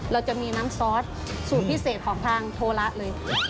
เราจะมีน้ำซอสสูตรพิเศษของทางโทระเลย